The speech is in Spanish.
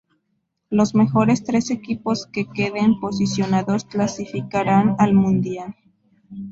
Los mejores tres equipos que queden posicionados clasificarán al Mundial.